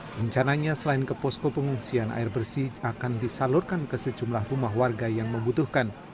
rencananya selain ke posko pengungsian air bersih akan disalurkan ke sejumlah rumah warga yang membutuhkan